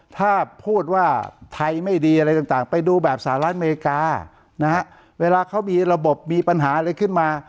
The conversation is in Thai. ถ้าพูดว่าไทยไม่ดีอะไรต่างไปดูแบบสหรัฐอเมริกานะฮะเวลาเขามีระบบมีปัญหาอะไรขึ้นมา